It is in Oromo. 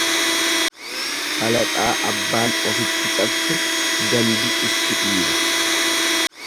Falaxaa abbaan ofitti cabse gandi itti dhiiba.